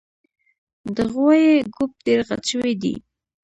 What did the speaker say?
د غوایي ګوپ ډېر غټ شوی دی